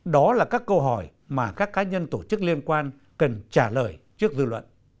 đó là các câu hỏi mà các cá nhân tổ chức liên quan cần trả lời trước dư luận